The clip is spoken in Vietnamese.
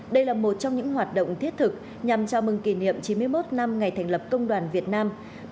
đây là một trong những hoạt động thiết thực nhằm chào mừng kỷ niệm chín mươi một năm ngày thành lập công đoàn việt nam